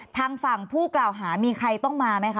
ทางฝั่งผู้กล่าวหามีใครต้องมาไหมคะ